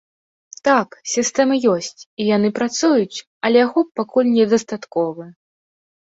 Так, сістэмы ёсць, і яны працуюць, але ахоп пакуль недастатковы.